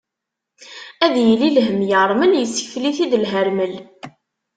Ad yili lhemm yermel, yessekfel-it-id lhermel.